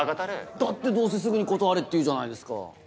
だってどうせすぐに断れって言うじゃないですか。